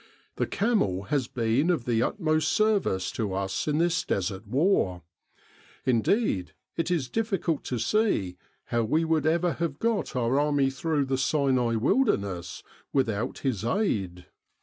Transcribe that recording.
The camel has been of the utmost service to us in this Desert war. In deed it is difficult to see how we would ever have got our army through the Sinai Wilderness without his aid.